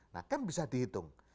nah kan bisa dihitung